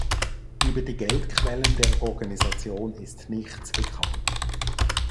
Über die Geldquellen der Organisation ist nichts bekannt.